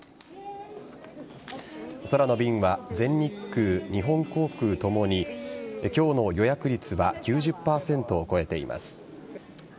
空の便は全日空、日本航空ともに今日の予約率は９０％を超えています。